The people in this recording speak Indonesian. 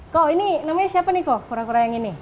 kok ini namanya siapa nih kok kura kura yang ini